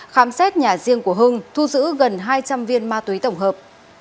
khám xét nhà riêng của hưng thu giữ gần hai trăm linh viên ma túy tổng hợp